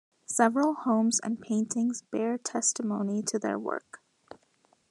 Several homes and paintings bear testimony to their work.